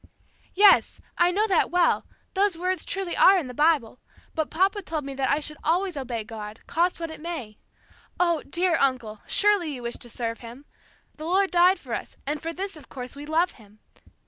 "Yes, I know that well, those words truly are in the Bible, but papa told me that I should always obey God, cost what it may. Oh, dear uncle, surely you wish to serve Him. The Lord died for us, and for this, of course, we love Him.